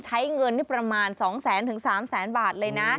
ใช้เงินประมาณ๒๐๐๐๐๐๓๐๐๐๐๐บาทเลยนะ